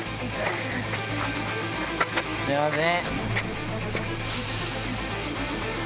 すいません。